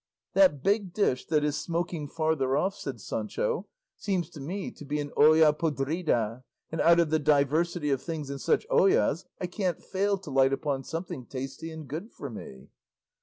"That big dish that is smoking farther off," said Sancho, "seems to me to be an olla podrida, and out of the diversity of things in such ollas, I can't fail to light upon something tasty and good for me."